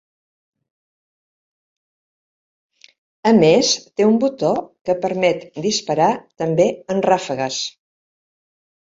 A més té un botó que permet disparar també en ràfegues.